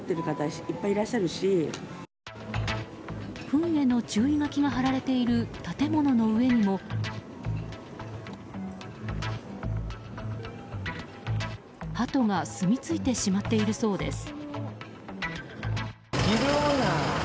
フンへの注意書きが貼られている建物の上にもハトがすみついてしまっているそうです。